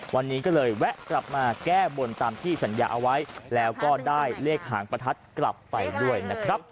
วันนี้ก็เลยแวะกลับมาแก้บนตามที่สัญญาเอาไว้แล้วก็ได้เลขหางประทัดกลับไปด้วยนะครับ